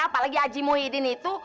apalagi aji muhyiddin itu